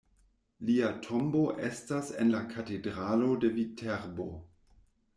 Lia tombo estas en la katedralo de Viterbo.